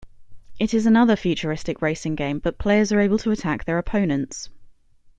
It is another futuristic racing game, but players are able to attack their opponents.